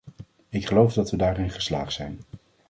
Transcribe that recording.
Ik geloof dat we daarin geslaagd zijn.